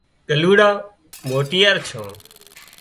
ڳلُوڙون موٽيار ڇُون